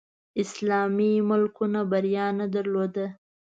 اسلامي ملکونو بریا نه درلوده